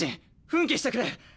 奮起してくれ。